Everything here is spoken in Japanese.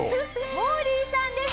モーリーさんです。